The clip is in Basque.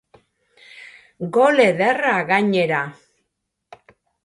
Gol ederra, gainera.